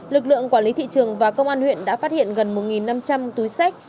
lực lượng quản lý thị trường và công an huyện đã phát hiện gần một năm trăm linh túi sách